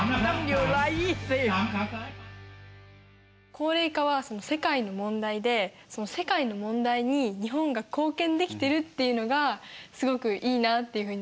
高齢化は世界の問題でその世界の問題に日本が貢献できてるっていうのがすごくいいなっていうふうに思いました。